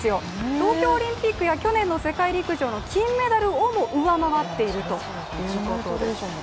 東京オリンピックや去年の世界陸上の金メダルをも上回っているということです。